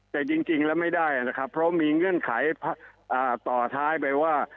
แต่จริงแล้วไม่ได้นะครับเพราะมีเงื่อนไขต่อท้ายไปว่า